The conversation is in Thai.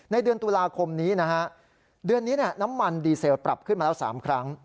เดือนตุลาคมนี้นะฮะเดือนนี้น้ำมันดีเซลปรับขึ้นมาแล้ว๓ครั้ง